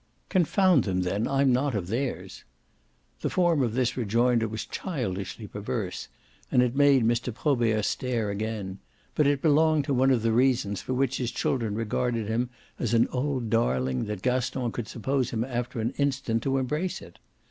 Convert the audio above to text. "Confound them then, I'm not of theirs!" The form of this rejoinder was childishly perverse, and it made Mr. Probert stare again; but it belonged to one of the reasons for which his children regarded him as an old darling that Gaston could suppose him after an instant to embrace it.